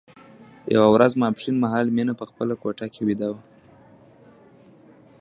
یوه ورځ ماسپښين مهال مينه په خپله کوټه کې ويده وه